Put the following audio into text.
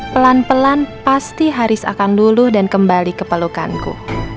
pelan pelan pasti haris akan luluh dan kembali ke pelukanku